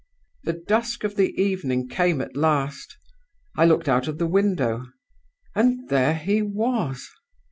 "The dusk of the evening came at last. I looked out of the window and there he was!